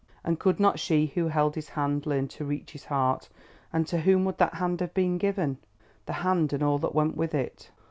And could not she who held his hand learn to reach his heart? And to whom would that hand have been given, the hand and all that went with it?